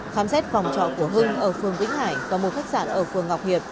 khám xét phòng trọ của hưng ở phường vĩnh hải và một khách sạn ở phường ngọc hiệp